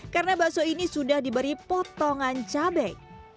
karena bakso ini sudah diberi potongan cabai